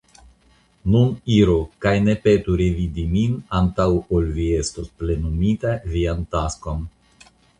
Nun iru, kaj ne petu revidi min antaŭ ol vi estos plenuminta vian taskon.